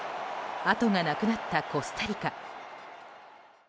あとがなくなったコスタリカ。